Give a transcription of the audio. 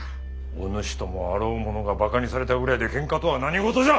お主ともあろう者がバカにされたぐらいでけんかとは何事じゃ！